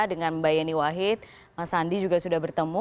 dengan mbak yeni wahid mas andi juga sudah bertemu